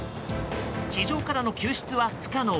地上からの救出は不可能。